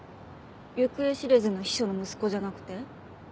行方知れずの秘書の息子じゃなくて？